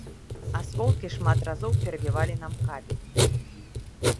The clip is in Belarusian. Асколкі шмат разоў перабівалі нам кабель.